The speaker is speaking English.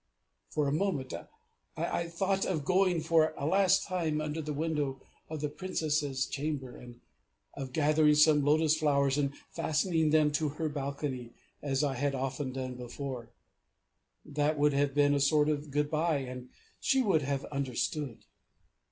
For a moment I thought of going for a last time under the window of the Princess's chamber, and of gathering some lotus flowers and fastening them to her balcony, as I had often done before; that would have been a sort of "good bye" and she would have understood.